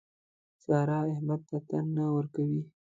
سارا احمد ته تن نه ورکوي.